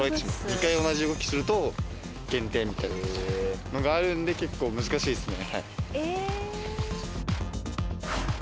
２回同じ動きすると減点みたいのがあるんで結構難しいっすね。